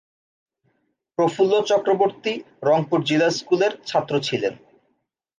প্রফুল্ল চক্রবর্তী রংপুর জিলা স্কুলের ছাত্র ছিলেন।